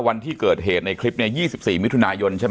วันที่เกิดเหตุในคลิปเนี่ย๒๔มิถุนายนใช่ไหม